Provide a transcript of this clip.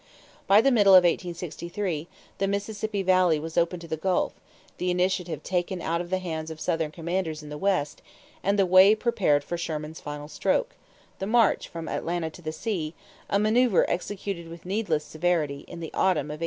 By the middle of 1863, the Mississippi Valley was open to the Gulf, the initiative taken out of the hands of Southern commanders in the West, and the way prepared for Sherman's final stroke the march from Atlanta to the sea a maneuver executed with needless severity in the autumn of 1864.